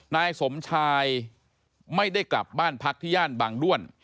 นายสมชายไม่ได้กลับบ้านพักที่ย่านบางด้วน